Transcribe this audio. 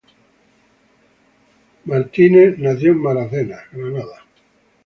Hammond nació en Melbourne, Florida.